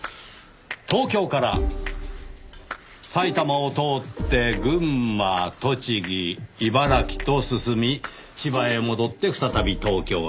東京から埼玉を通って群馬栃木茨城と進み千葉へ戻って再び東京へ。